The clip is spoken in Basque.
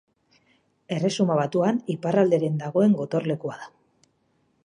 Erresuma Batuan iparralderen dagoen gotorlekua da.